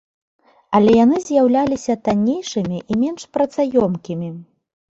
Але яны з'яўляліся таннейшымі і менш працаёмкімі.